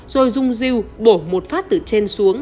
rồi dùng diều bổ một phát từ trên xuống